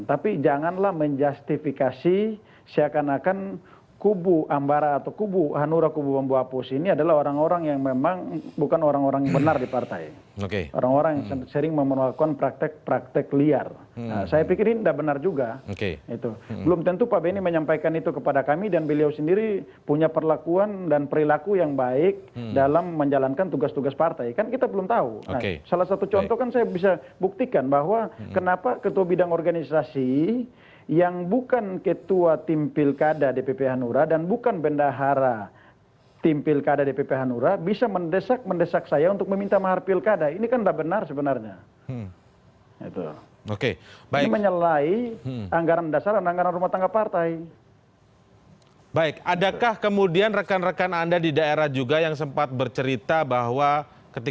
tapi janganlah menjustifikasi seakan akan kubu ambara atau kubu hanura kubu bambu apus ini adalah orang orang yang memang bukan orang orang yang benar di partai